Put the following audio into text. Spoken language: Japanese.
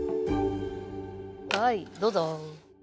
はいどうぞ。